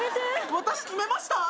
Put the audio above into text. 私決めました。